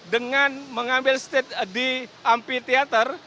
dengan mengambil stage di ampi theater